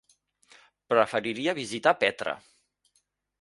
Preferiria visitar Petra.